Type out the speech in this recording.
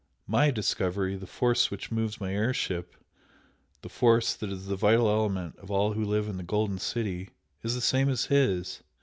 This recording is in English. MY discovery the force that moves my air ship the force that is the vital element of all who live in the Golden City is the same as his!